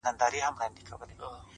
سپينه خولگۍ راپسي مه ږغوه,